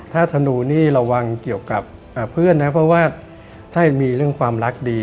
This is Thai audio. ถ้าธนูนี่ระวังเกี่ยวกับเพื่อนนะเพราะว่าถ้ามีเรื่องความรักดี